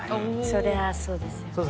そりゃそうですよね。